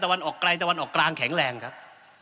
วันออกไกลตะวันออกกลางแข็งแรงครับ